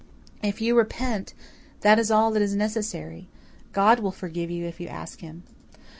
"If you repent, that is all that is necessary. God will forgive you if you ask Him."